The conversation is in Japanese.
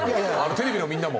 テレビのみんなも。